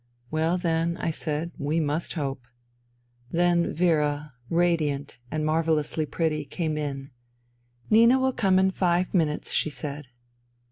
..."" Well then," said I, ''... we must hope." Then Vera, radiant and marvellously pretty, came in. " Nina will come in five minutes," she said.